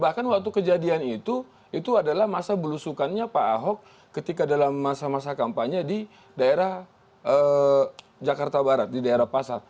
bahkan waktu kejadian itu itu adalah masa belusukannya pak ahok ketika dalam masa masa kampanye di daerah jakarta barat di daerah pasar